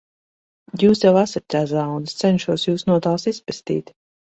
Jūs jau esat ķezā, un es cenšos Jūs no tās izpestīt.